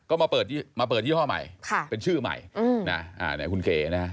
ก็มาเปิดยี่ห้อใหม่เป็นชื่อใหม่คุณเก๋นะครับ